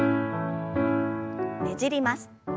ねじります。